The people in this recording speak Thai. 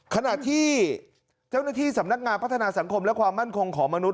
ขณะที่เจ้าหน้าที่สำนักงานพัฒนาสังคมและความมั่นคงของมนุษ